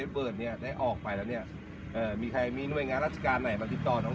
สรวจแบบนี้สำเร็จของชิมทุกทุกคน